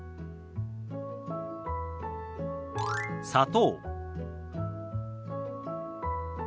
「砂糖」。